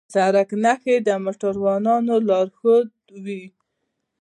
د سړک نښې د موټروانو لارښودوي.